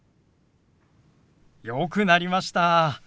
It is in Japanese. よくなりました。